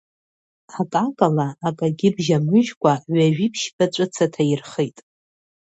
Акакала, акагьы бжьамыжькәа, ҩажәи ԥшьба ҵәыца ҭаирхеит.